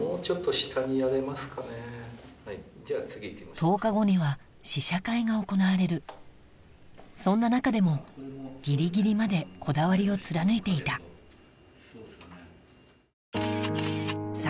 １０日後には試写会が行われるそんな中でもギリギリまでこだわりを貫いていたそもそもなんですけど。